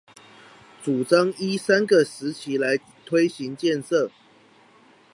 主張依三個時期來推行建設